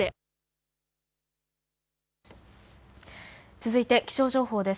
続いて気象情報です。